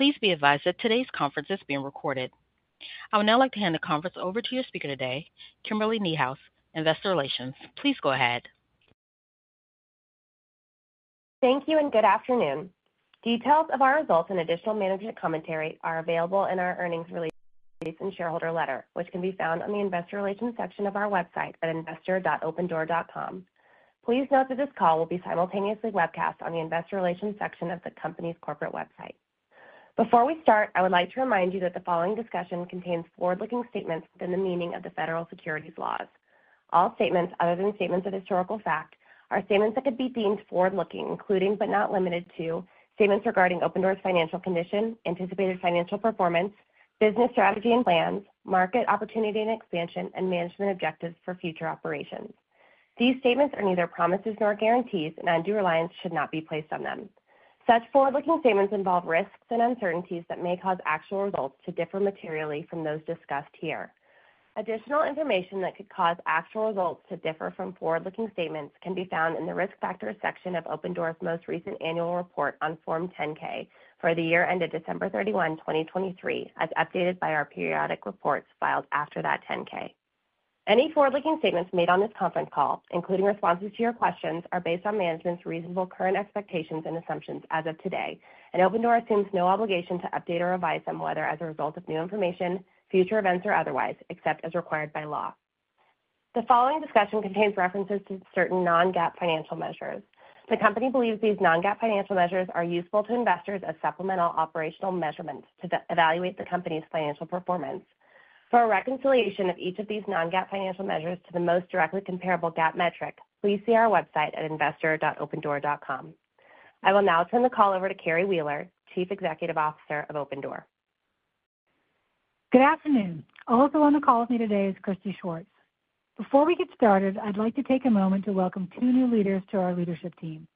Please be advised that today's conference is being recorded. I would now like to hand the conference over to your speaker today, Kimberly Niehaus, Investor Relations. Please go ahead. Thank you and good afternoon. Details of our results and additional management commentary are available in our earnings release and shareholder letter, which can be found on the Investor Relations section of our website at investor.opendoor.com. Please note that this call will be simultaneously webcast on the Investor Relations section of the company's corporate website. Before we start, I would like to remind you that the following discussion contains forward-looking statements within the meaning of the federal securities laws. All statements other than statements of historical fact are statements that could be deemed forward-looking, including but not limited to statements regarding Opendoor's financial condition, anticipated financial performance, business strategy and plans, market opportunity and expansion, and management objectives for future operations. These statements are neither promises nor guarantees, and undue reliance should not be placed on them. Such forward-looking statements involve risks and uncertainties that may cause actual results to differ materially from those discussed here. Additional information that could cause actual results to differ from forward-looking statements can be found in the risk factors section of Opendoor's most recent annual report on Form 10-K for the year ended December 31, 2023, as updated by our periodic reports filed after that 10-K. Any forward-looking statements made on this conference call, including responses to your questions, are based on management's reasonable current expectations and assumptions as of today, and Opendoor assumes no obligation to update or revise them whether as a result of new information, future events, or otherwise, except as required by law. The following discussion contains references to certain non-GAAP financial measures. The company believes these non-GAAP financial measures are useful to investors as supplemental operational measurements to evaluate the company's financial performance. For a reconciliation of each of these non-GAAP financial measures to the most directly comparable GAAP metric, please see our website at investor.opendoor.com. I will now turn the call over to Carrie Wheeler, Chief Executive Officer of Opendoor. Good afternoon. Also on the call with me today is Christy Schwartz. Before we get started, I'd like to take a moment to welcome two new leaders to our leadership team.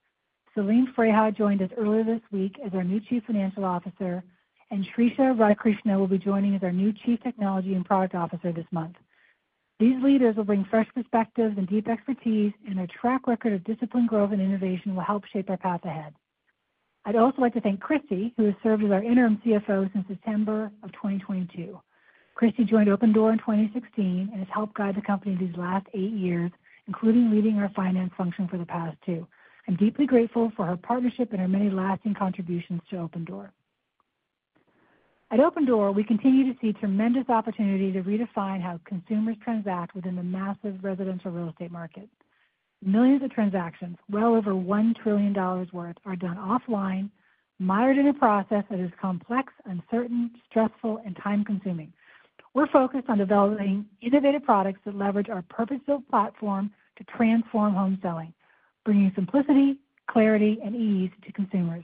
Selim Freiha joined us earlier this week as our new Chief Financial Officer, and Shrisha Radhakrishna will be joining as our new Chief Technology and Product Officer this month. These leaders will bring fresh perspectives and deep expertise, and their track record of disciplined growth and innovation will help shape our path ahead. I'd also like to thank Christy, who has served as our interim CFO since September of 2022. Christy joined Opendoor in 2016 and has helped guide the company these last eight years, including leading our finance function for the past two. I'm deeply grateful for her partnership and her many lasting contributions to Opendoor. At Opendoor, we continue to see tremendous opportunity to redefine how consumers transact within the massive residential real estate market. Millions of transactions, well over $1 trillion worth, are done offline, mired in a process that is complex, uncertain, stressful, and time-consuming. We're focused on developing innovative products that leverage our purpose-built platform to transform home selling, bringing simplicity, clarity, and ease to consumers.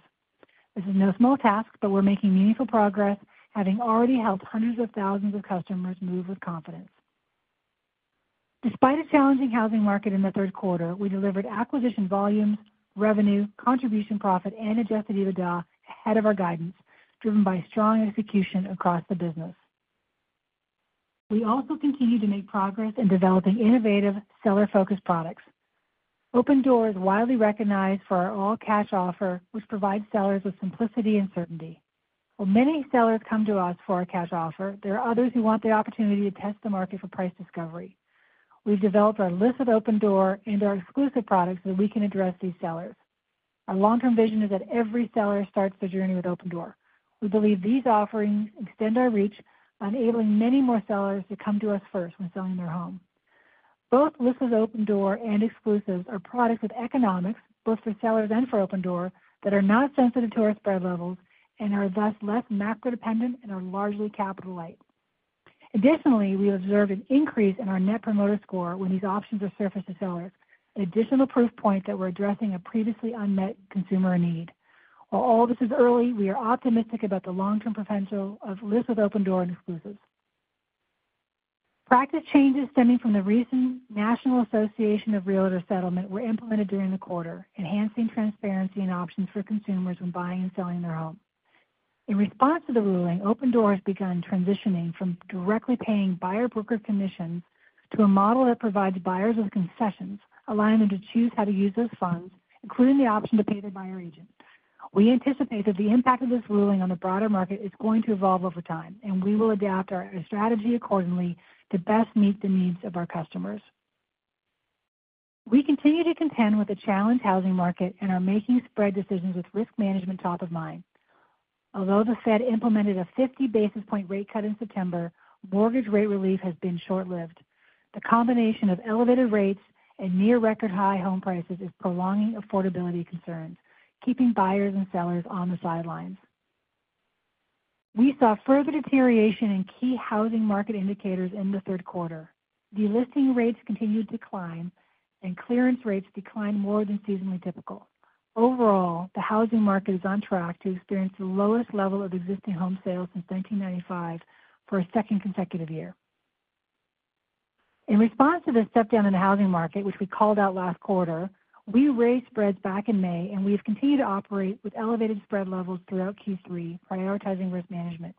This is no small task, but we're making meaningful progress, having already helped hundreds of thousands of customers move with confidence. Despite a challenging housing market in the Q3, we delivered acquisition volumes, revenue, contribution profit, and adjusted EBITDA ahead of our guidance, driven by strong execution across the business. We also continue to make progress in developing innovative, seller-focused products. Opendoor is widely recognized for our all-cash offer, which provides sellers with simplicity and certainty. While many sellers come to us for our cash offer, there are others who want the opportunity to test the market for price discovery. We've developed our List with Opendoor and our Exclusives products so that we can address these sellers. Our long-term vision is that every seller starts their journey with Opendoor. We believe these offerings extend our reach, enabling many more sellers to come to us first when selling their home. Both List with Opendoor and Exclusives are products with economics, both for sellers and for Opendoor, that are not sensitive to our spread levels and are thus less macro-dependent and are largely capital-light. Additionally, we observed an increase in our Net Promoter Score when these options are surfaced to sellers, an additional proof point that we're addressing a previously unmet consumer need. While all this is early, we are optimistic about the long-term potential of List with Opendoor and Exclusives. Practice changes stemming from the recent National Association of Realtors' settlement were implemented during the quarter, enhancing transparency and options for consumers when buying and selling their home. In response to the ruling, Opendoor has begun transitioning from directly paying buyer broker commissions to a model that provides buyers with concessions, allowing them to choose how to use those funds, including the option to pay their buyer agent. We anticipate that the impact of this ruling on the broader market is going to evolve over time, and we will adapt our strategy accordingly to best meet the needs of our customers. We continue to contend with a challenged housing market and are making spread decisions with risk management top of mind. Although the Fed implemented a 50 basis point rate cut in September, mortgage rate relief has been short-lived. The combination of elevated rates and near-record high home prices is prolonging affordability concerns, keeping buyers and sellers on the sidelines. We saw further deterioration in key housing market indicators in the Q3. Delisting rates continued to climb, and clearance rates declined more than seasonally typical. Overall, the housing market is on track to experience the lowest level of existing home sales since 1995 for a second consecutive year. In response to the step-down in the housing market, which we called out last quarter, we raised spreads back in May, and we have continued to operate with elevated spread levels throughout Q3, prioritizing risk management.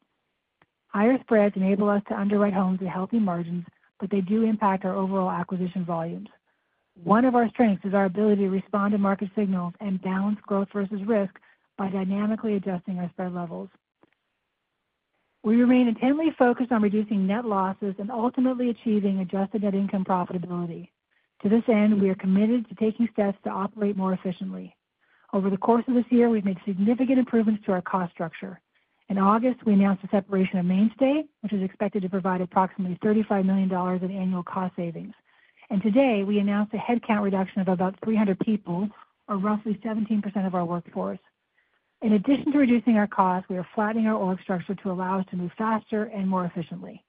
Higher spreads enable us to underwrite homes at healthy margins, but they do impact our overall acquisition volumes. One of our strengths is our ability to respond to market signals and balance growth versus risk by dynamically adjusting our spread levels. We remain intently focused on reducing net losses and ultimately achieving adjusted net income profitability. To this end, we are committed to taking steps to operate more efficiently. Over the course of this year, we've made significant improvements to our cost structure. In August, we announced the separation of Mainstay, which is expected to provide approximately $35 million in annual cost savings, and today, we announced a headcount reduction of about 300 people, or roughly 17% of our workforce. In addition to reducing our costs, we are flattening our org structure to allow us to move faster and more efficiently.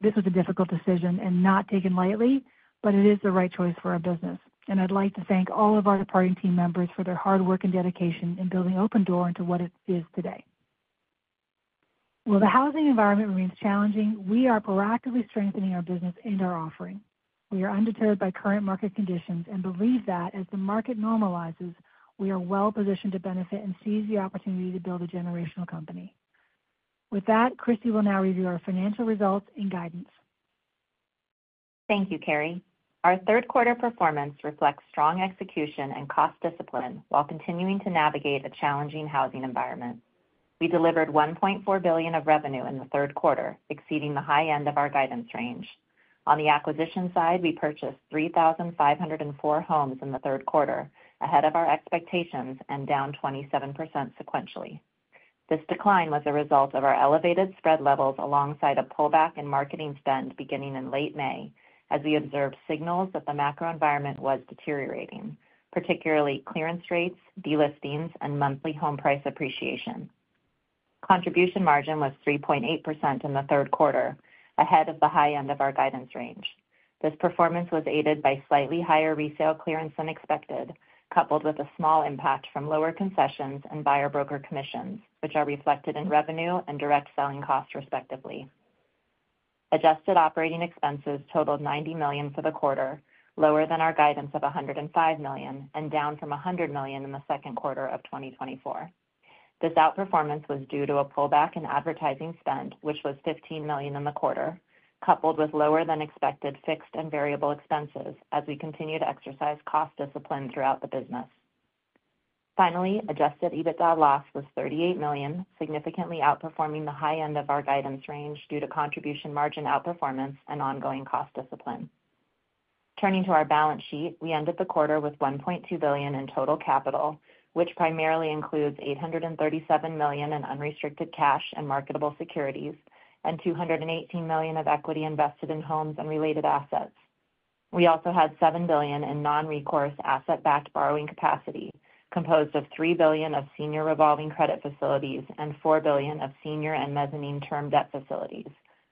This was a difficult decision and not taken lightly, but it is the right choice for our business. I'd like to thank all of our departing team members for their hard work and dedication in building Opendoor into what it is today. While the housing environment remains challenging, we are proactively strengthening our business and our offering. We are undeterred by current market conditions and believe that as the market normalizes, we are well-positioned to benefit and seize the opportunity to build a generational company. With that, Christy will now review our financial results and guidance. Thank you, Carrie. Our third-quarter performance reflects strong execution and cost discipline while continuing to navigate a challenging housing environment. We delivered $1.4 billion of revenue in the Q3, exceeding the high end of our guidance range. On the acquisition side, we purchased 3,504 homes in the Q3, ahead of our expectations and down 27% sequentially. This decline was a result of our elevated spread levels alongside a pullback in marketing spend beginning in late May, as we observed signals that the macro environment was deteriorating, particularly clearance rates, delistings, and monthly home price appreciation. Contribution margin was 3.8% in the Q3, ahead of the high end of our guidance range. This performance was aided by slightly higher resale clearance than expected, coupled with a small impact from lower concessions and buyer broker commissions, which are reflected in revenue and direct selling costs, respectively. Adjusted operating expenses totaled $90 million for the quarter, lower than our guidance of $105 million, and down from $100 million in the Q2 of 2024. This outperformance was due to a pullback in advertising spend, which was $15 million in the quarter, coupled with lower-than-expected fixed and variable expenses as we continued to exercise cost discipline throughout the business. Finally, adjusted EBITDA loss was $38 million, significantly outperforming the high end of our guidance range due to contribution margin outperformance and ongoing cost discipline. Turning to our balance sheet, we ended the quarter with $1.2 billion in total capital, which primarily includes $837 million in unrestricted cash and marketable securities and $218 million of equity invested in homes and related assets. We also had $7 billion in non-recourse asset-backed borrowing capacity, composed of $3 billion of senior revolving credit facilities and $4 billion of senior and mezzanine term debt facilities,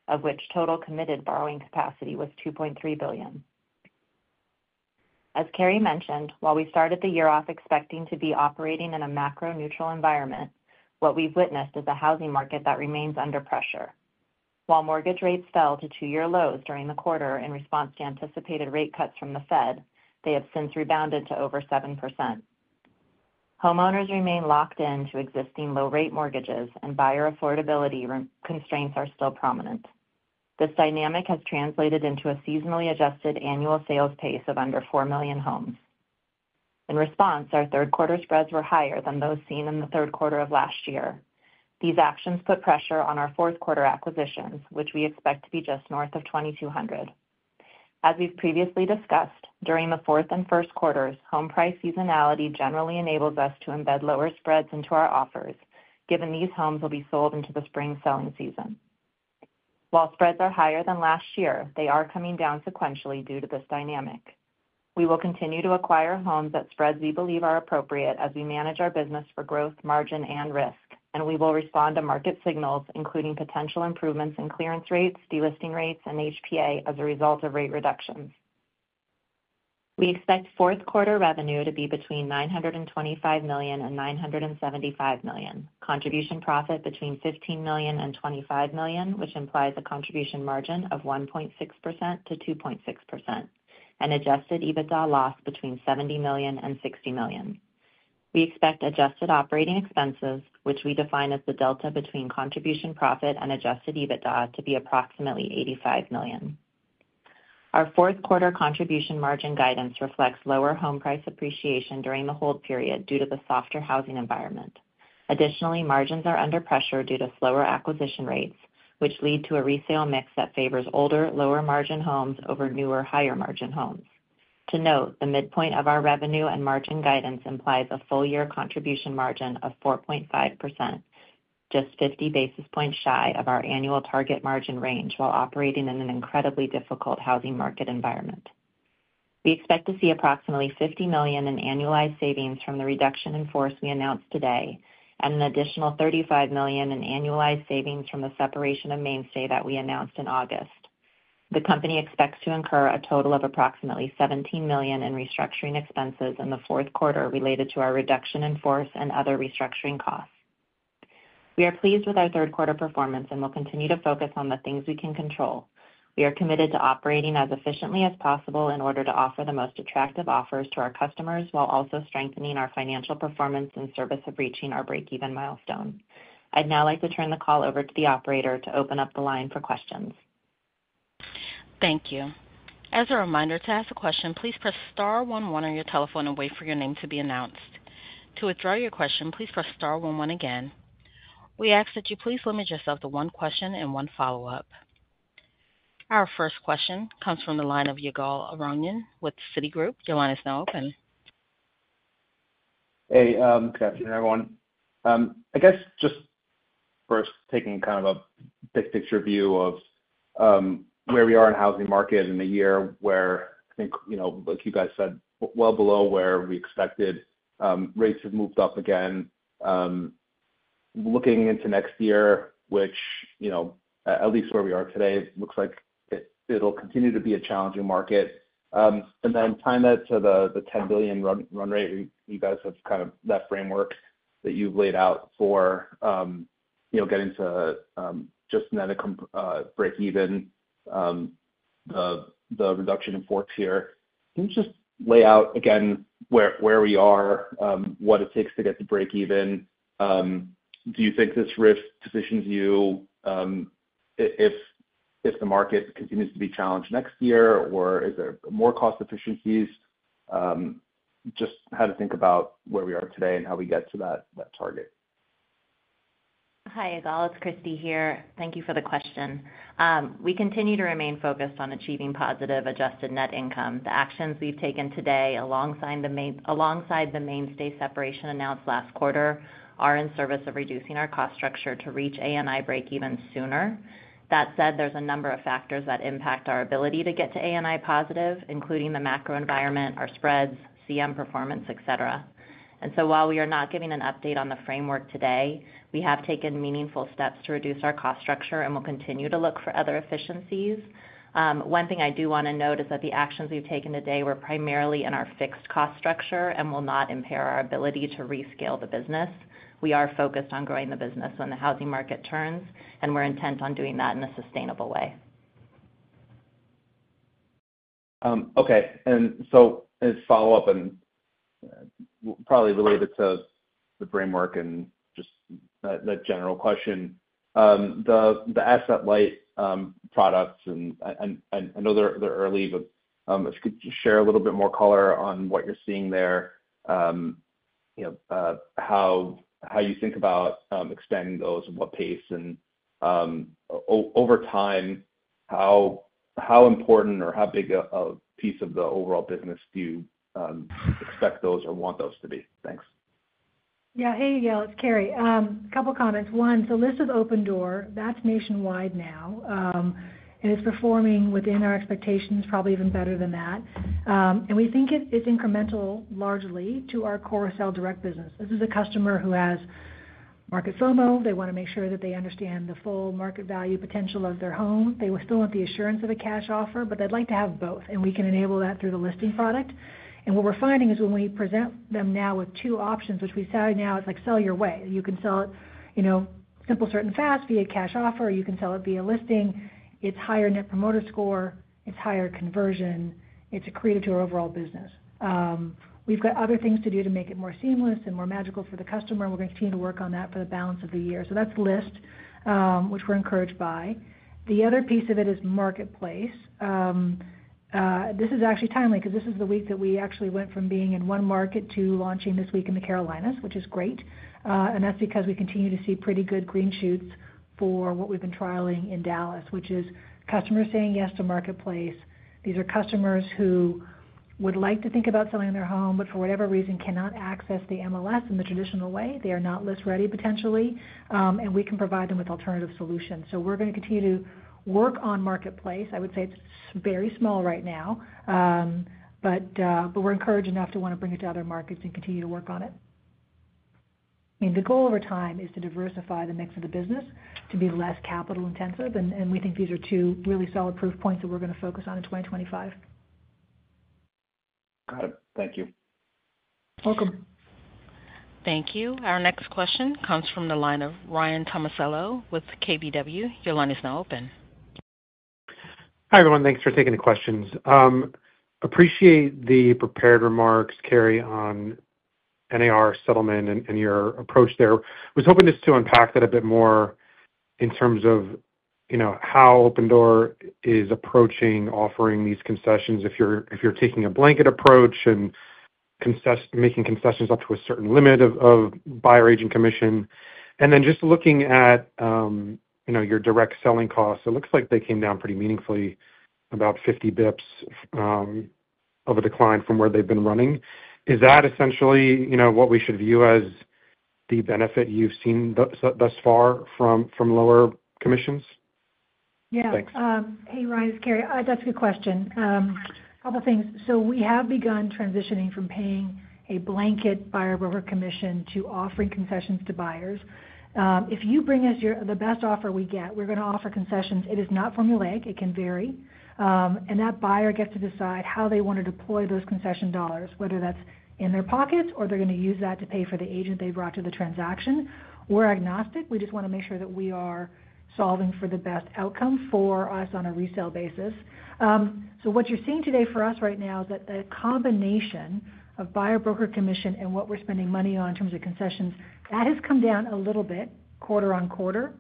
of which total committed borrowing capacity was $2.3 billion. As Carrie mentioned, while we started the year off expecting to be operating in a macro-neutral environment, what we've witnessed is a housing market that remains under pressure. While mortgage rates fell to two-year lows during the quarter in response to anticipated rate cuts from the Fed, they have since rebounded to over 7%. Homeowners remain locked into existing low-rate mortgages, and buyer affordability constraints are still prominent. This dynamic has translated into a seasonally adjusted annual sales pace of under four million homes. In response, our third-quarter spreads were higher than those seen in the Q3 of last year. These actions put pressure on our fourth-quarter acquisitions, which we expect to be just north of $2,200. As we've previously discussed, during the fourth and Q1s, home price seasonality generally enables us to embed lower spreads into our offers, given these homes will be sold into the spring selling season. While spreads are higher than last year, they are coming down sequentially due to this dynamic. We will continue to acquire homes at spreads we believe are appropriate as we manage our business for growth, margin, and risk, and we will respond to market signals, including potential improvements in clearance rates, delisting rates, and HPA as a result of rate reductions. We expect fourth-quarter revenue to be between $925 million and $975 million, contribution profit between $15 million and $25 million, which implies a contribution margin of 1.6%-2.6%, and adjusted EBITDA loss between $70 million and $60 million. We expect adjusted operating expenses, which we define as the delta between contribution profit and adjusted EBITDA, to be approximately $85 million. Our fourth-quarter contribution margin guidance reflects lower home price appreciation during the hold period due to the softer housing environment. Additionally, margins are under pressure due to slower acquisition rates, which lead to a resale mix that favors older, lower-margin homes over newer, higher-margin homes. To note, the midpoint of our revenue and margin guidance implies a full-year contribution margin of 4.5%, just 50 basis points shy of our annual target margin range while operating in an incredibly difficult housing market environment. We expect to see approximately $50 million in annualized savings from the reduction in force we announced today and an additional $35 million in annualized savings from the separation of Mainstay that we announced in August. The company expects to incur a total of approximately $17 million in restructuring expenses in the Q4 related to our reduction in force and other restructuring costs. We are pleased with our third-quarter performance and will continue to focus on the things we can control. We are committed to operating as efficiently as possible in order to offer the most attractive offers to our customers while also strengthening our financial performance in service of reaching our break-even milestone. I'd now like to turn the call over to the operator to open up the line for questions. Thank you. As a reminder, to ask a question, please press star 11 on your telephone and wait for your name to be announced. To withdraw your question, please press star 11 again. We ask that you please limit yourself to one question and one follow-up. Our first question comes from the line of Yigal Arounian with Citigroup. Your line is now open. Hey, good afternoon, everyone. I guess just first taking kind of a big-picture view of where we are in the housing market in a year where, I think, like you guys said, well below where we expected, rates have moved up again. Looking into next year, which, at least where we are today, looks like it'll continue to be a challenging market, and then tying that to the $10 billion run rate, you guys have kind of that framework that you've laid out for getting to just net a break-even, the reduction in force here. Can you just lay out, again, where we are, what it takes to get to break-even? Do you think this RIF positions you if the market continues to be challenged next year, or is there more cost efficiencies? Just how to think about where we are today and how we get to that target? Hi, Yigal. It's Christy here. Thank you for the question. We continue to remain focused on achieving positive adjusted net income. The actions we've taken today alongside the Mainstay separation announced last quarter are in service of reducing our cost structure to reach ANI break-even sooner. That said, there's a number of factors that impact our ability to get to ANI positive, including the macro environment, our spreads, CM performance, etc. And so while we are not giving an update on the framework today, we have taken meaningful steps to reduce our cost structure and will continue to look for other efficiencies. One thing I do want to note is that the actions we've taken today were primarily in our fixed cost structure and will not impair our ability to rescale the business. We are focused on growing the business when the housing market turns, and we're intent on doing that in a sustainable way. Okay. And so as follow-up and probably related to the framework and just that general question, the asset light products, and I know they're early, but if you could just share a little bit more color on what you're seeing there, how you think about expanding those, at what pace, and over time, how important or how big a piece of the overall business do you expect those or want those to be? Thanks. Yeah. Hey, Yigal. It's Carrie. A couple of comments. One, so List with Opendoor, that's nationwide now, and it's performing within our expectations, probably even better than that. And we think it's incremental largely to our core sell direct business. This is a customer who has market FOMO. They want to make sure that they understand the full market value potential of their home. They still want the assurance of a cash offer, but they'd like to have both. And we can enable that through the listing product. And what we're finding is when we present them now with two options, which we say now, it's like sell your way. You can sell it simple, certain, fast via cash offer, or you can sell it via listing. It's higher Net Promoter Score. It's higher conversion. It's accretive to our overall business. We've got other things to do to make it more seamless and more magical for the customer. We're going to continue to work on that for the balance of the year. So that's list, which we're encouraged by. The other piece of it is marketplace. This is actually timely because this is the week that we actually went from being in one market to launching this week in the Carolinas, which is great. And that's because we continue to see pretty good green shoots for what we've been trialing in Dallas, which is customers saying yes to marketplace. These are customers who would like to think about selling their home, but for whatever reason cannot access the MLS in the traditional way. They are not list ready potentially, and we can provide them with alternative solutions. So we're going to continue to work on marketplace. I would say it's very small right now, but we're encouraged enough to want to bring it to other markets and continue to work on it. I mean, the goal over time is to diversify the mix of the business to be less capital intensive, and we think these are two really solid proof points that we're going to focus on in 2025. Got it. Thank you. Welcome. Thank you. Our next question comes from the line of Ryan Tomasello with KBW. Your line is now open. Hi, everyone. Thanks for taking the questions. Appreciate the prepared remarks, Carrie, on NAR settlement and your approach there. I was hoping just to unpack that a bit more in terms of how Opendoor is approaching offering these concessions if you're taking a blanket approach and making concessions up to a certain limit of buyer agent commission. And then just looking at your direct selling costs, it looks like they came down pretty meaningfully, about 50 basis points of a decline from where they've been running. Is that essentially what we should view as the benefit you've seen thus far from lower commissions? Yeah. Thanks. Hey, Ryan, this is Carrie. That's a good question. A couple of things. So we have begun transitioning from paying a blanket buyer broker commission to offering concessions to buyers. If you bring us the best offer we get, we're going to offer concessions. It is not formulaic. It can vary. And that buyer gets to decide how they want to deploy those concession dollars, whether that's in their pockets or they're going to use that to pay for the agent they brought to the transaction. We're agnostic. We just want to make sure that we are solving for the best outcome for us on a resale basis. So what you're seeing today for us right now is that the combination of buyer broker commission and what we're spending money on in terms of concessions, that has come down a little bit quarter on quarter.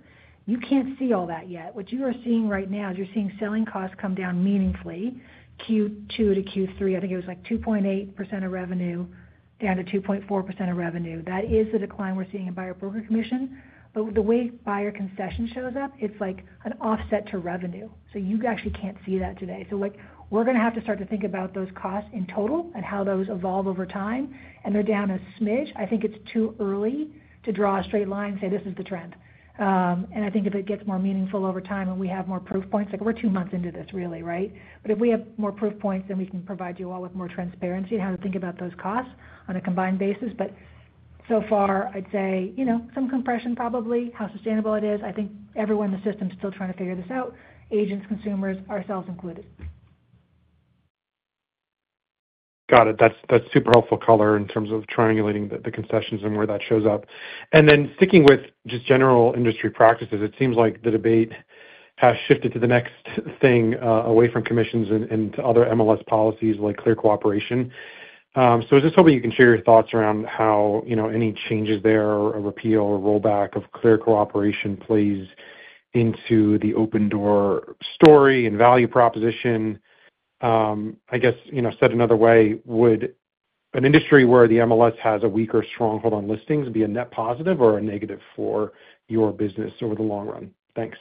You can't see all that yet. What you are seeing right now is you're seeing selling costs come down meaningfully, Q2 to Q3. I think it was like 2.8% of revenue down to 2.4% of revenue. That is the decline we're seeing in buyer broker commission. But the way buyer concession shows up, it's like an offset to revenue. So you actually can't see that today. So we're going to have to start to think about those costs in total and how those evolve over time. And they're down a smidge. I think it's too early to draw a straight line and say, "This is the trend." And I think if it gets more meaningful over time and we have more proof points like we're two months into this, really, right? But if we have more proof points, then we can provide you all with more transparency and how to think about those costs on a combined basis, but so far, I'd say some compression probably, how sustainable it is. I think everyone in the system is still trying to figure this out, agents, consumers, ourselves included. Got it. That's super helpful color in terms of triangulating the concessions and where that shows up. And then sticking with just general industry practices, it seems like the debate has shifted to the next thing away from commissions and to other MLS policies like Clear Cooperation. So I was just hoping you can share your thoughts around how any changes there or a repeal or rollback of Clear Cooperation plays into the Opendoor story and value proposition. I guess said another way, would an industry where the MLS has a weak or strong hold on listings be a net positive or a negative for your business over the long run? Thanks.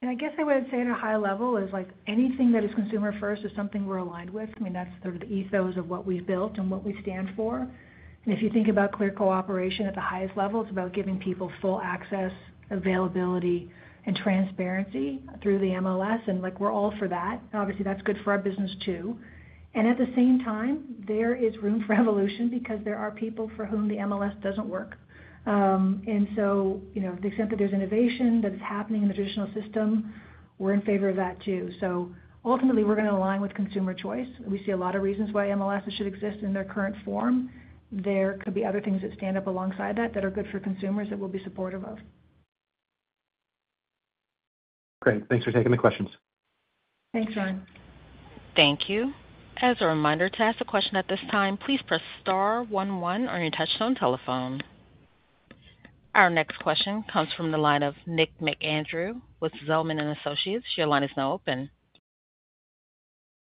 And I guess I would say at a high level is anything that is consumer-first is something we're aligned with. I mean, that's sort of the ethos of what we've built and what we stand for. And if you think about Clear Cooperation at the highest level, it's about giving people full access, availability, and transparency through the MLS. And we're all for that. Obviously, that's good for our business too. And at the same time, there is room for evolution because there are people for whom the MLS doesn't work. And so to the extent that there's innovation that is happening in the traditional system, we're in favor of that too. So ultimately, we're going to align with consumer choice. We see a lot of reasons why MLS should exist in their current form. There could be other things that stand up alongside that that are good for consumers that we'll be supportive of. Great. Thanks for taking the questions. Thanks, Ryan. Thank you. As a reminder to ask a question at this time, please press star 11 on your touch-tone telephone. Our next question comes from the line of Nick McAndrew with Zelman & Associates. Your line is now open.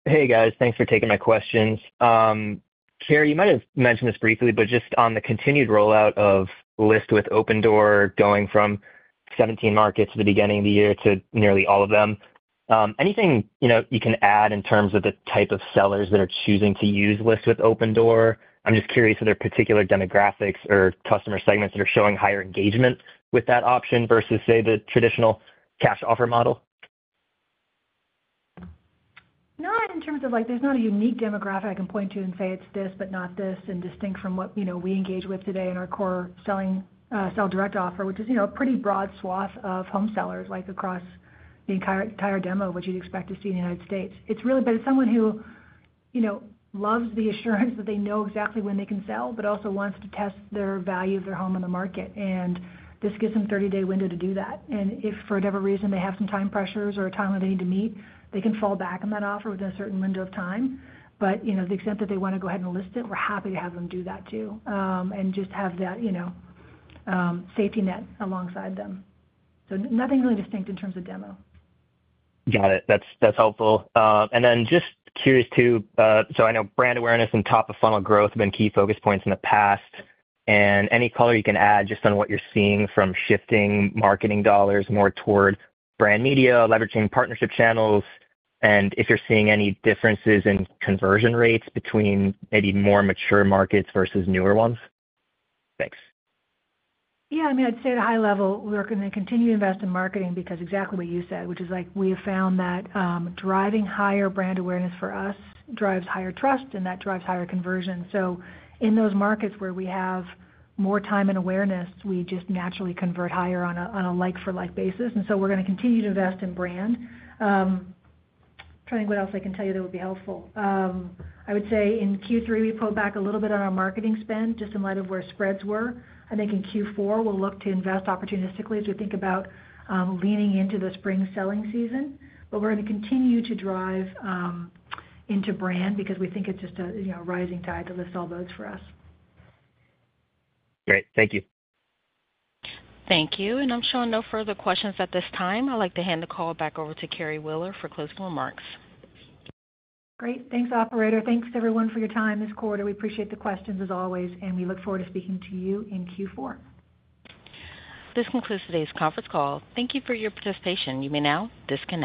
Hey, guys. Thanks for taking my questions. Carrie, you might have mentioned this briefly, but just on the continued rollout of List with Opendoor going from 17 markets at the beginning of the year to nearly all of them, anything you can add in terms of the type of sellers that are choosing to use List with Opendoor? I'm just curious if there are particular demographics or customer segments that are showing higher engagement with that option versus, say, the traditional cash offer model. Not in terms of there's not a unique demographic I can point to and say it's this but not this and distinct from what we engage with today in our core sell direct offer, which is a pretty broad swath of home sellers across the entire demo, which you'd expect to see in the United States. It's really about someone who loves the assurance that they know exactly when they can sell, but also wants to test the value of their home in the market. And this gives them a 30-day window to do that. And if for whatever reason they have some time pressures or a time where they need to meet, they can fall back on that offer within a certain window of time. To the extent that they want to go ahead and list it, we're happy to have them do that too and just have that safety net alongside them. So nothing really distinct in terms of demo. Got it. That's helpful. And then just curious too, so I know brand awareness and top-of-funnel growth have been key focus points in the past. And any color you can add just on what you're seeing from shifting marketing dollars more toward brand media, leveraging partnership channels, and if you're seeing any differences in conversion rates between maybe more mature markets versus newer ones? Thanks. Yeah. I mean, I'd say at a high level, we're going to continue to invest in marketing because exactly what you said, which is we have found that driving higher brand awareness for us drives higher trust, and that drives higher conversion. So in those markets where we have more time and awareness, we just naturally convert higher on a like-for-like basis. And so we're going to continue to invest in brand. Trying to think what else I can tell you that would be helpful. I would say in Q3, we pulled back a little bit on our marketing spend just in light of where spreads were. I think in Q4, we'll look to invest opportunistically as we think about leaning into the spring selling season. But we're going to continue to drive into brand because we think it's just a rising tide to lift all boats for us. Great. Thank you. Thank you. And I'm showing no further questions at this time. I'd like to hand the call back over to Carrie Wheeler for closing remarks. Great. Thanks, operator. Thanks, everyone, for your time this quarter. We appreciate the questions as always, and we look forward to speaking to you in Q4. This concludes today's conference call. Thank you for your participation. You may now disconnect.